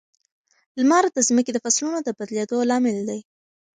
لمر د ځمکې د فصلونو د بدلېدو لامل دی.